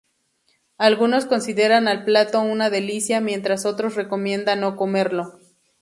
Algunos consideran al plato una delicia mientras otros recomiendan no comerlo.